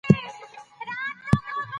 ټولنپوهنه د ټولني د پوهېدو علم دی.